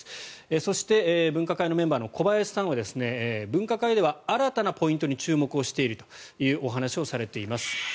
そして、分科会のメンバーの小林さんは分科会では新たなポイントに注目をしているというお話をされています。